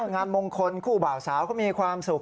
งานมงคลคู่บ่าวสาวเขามีความสุข